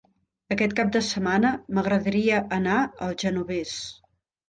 Aquest cap de setmana m'agradaria anar al Genovés.